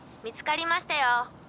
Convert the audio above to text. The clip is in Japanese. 見つかりましたよ。